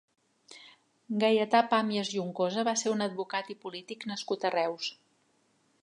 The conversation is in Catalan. Gaietà Pàmies Juncosa va ser un advocat i polític nascut a Reus.